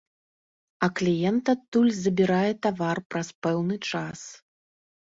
А кліент адтуль забірае тавар праз пэўны час.